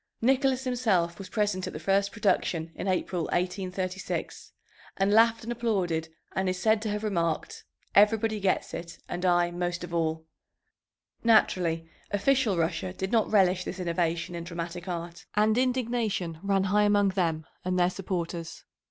Nicholas himself was present at the first production in April, 1836, and laughed and applauded, and is said to have remarked, "Everybody gets it, and I most of all." Naturally official Russia did not relish this innovation in dramatic art, and indignation ran high among them and their supporters.